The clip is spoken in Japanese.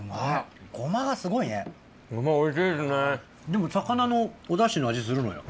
でも魚のお出汁の味するのよ。